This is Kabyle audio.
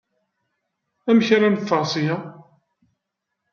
Amek ara neffeɣ seg-a?